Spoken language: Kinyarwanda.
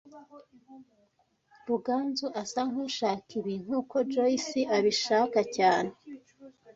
Ruganzu asa nkushaka ibi nkuko Joyce abishaka cyane